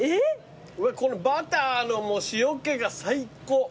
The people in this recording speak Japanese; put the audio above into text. このバターの塩気が最高。